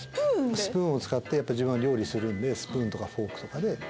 スプーンで⁉自分は料理するんでスプーンとかフォークとかで。